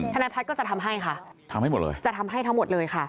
ธนายพัฒน์ก็จะทำให้ค่ะจะทำให้ทั้งหมดเลยค่ะทำให้หมดเลย